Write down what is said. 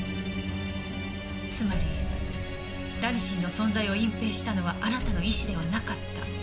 つまりラニシンの存在を隠蔽したのはあなたの意思ではなかった。